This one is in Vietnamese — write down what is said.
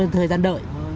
thời gian đợi